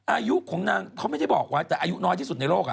อายุของนางเขาไม่ได้บอกไว้แต่อายุน้อยที่สุดในโลก